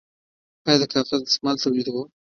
آیا د کاغذ دستمال تولیدوو؟